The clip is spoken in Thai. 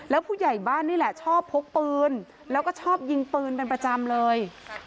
แล้วผู้ใหญ่บ้านนี่แหละชอบพกปืนแล้วก็ชอบยิงปืนเป็นประจำเลย